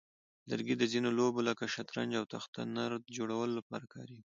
لرګي د ځینو لوبو لکه شطرنج او تخته نرد جوړولو لپاره کارېږي.